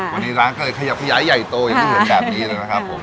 วันนี้ร้านก็เลยขยับขยายใหญ่โตอย่างที่เห็นแบบนี้เลยนะครับผม